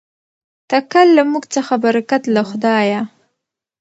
تکل له موږ څخه برکت له خدایه.